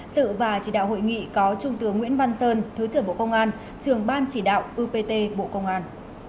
sự và chỉ đạo hội nghị có trung tướng nguyễn văn sơn thứ trưởng bộ công an trường ban chỉ đạo upt bộ công an